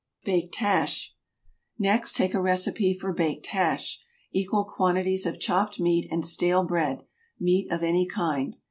BAKED HASH. Next take a recipe for baked hash. Equal quantities of chopped meat and stale bread, meat of any kind.